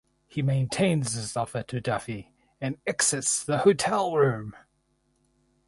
He maintains his offer to Duffy and exits the hotel room.